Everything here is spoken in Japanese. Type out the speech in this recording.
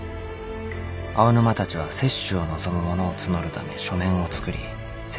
青沼たちは接種を望む者を募るため書面を作り説明を始めた。